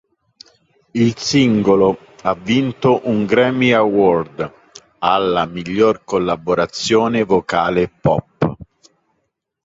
Il singolo ha vinto un Grammy Award alla miglior collaborazione vocale pop.